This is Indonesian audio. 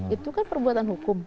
itu kan perbuatan hukum